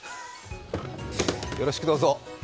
よろしくどうぞ。